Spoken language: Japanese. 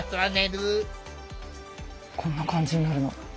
こんな感じになるの。